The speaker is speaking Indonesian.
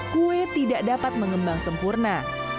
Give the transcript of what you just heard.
kue tidak dapat mengembang sempurna